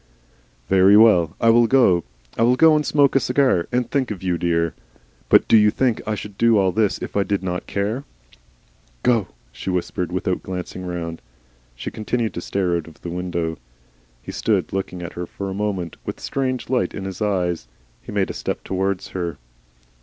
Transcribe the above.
"Very well. I will go. I will go and smoke a cigar. And think of you, dear.... But do you think I should do all this if I did not care?" "Go," she whispered, without glancing round. She continued to stare out of the window. He stood looking at her for a moment, with a strange light in his eyes. He made a step towards her.